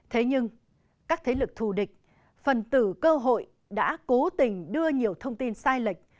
thế nhưng các thế lực thù địch phần tử cơ hội đã cố tình đưa nhiều thông tin sai lệch